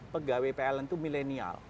pegawai pln itu milenial